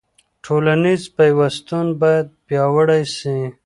ټولنیز پیوستون باید پیاوړی سي.